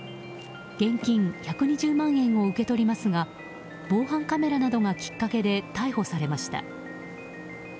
現金１２０万円を受け取りますが防犯カメラなどがきっかけで逮捕されました。